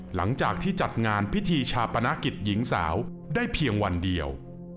หลังจากที่จัดงานพิธีชาปนกิจหญิงสาวได้เพียงวันเดียว